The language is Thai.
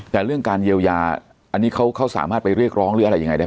แต่เรื่องการเยียวยาอันนี้เขาสามารถไปเรียกร้องหรืออะไรยังไงได้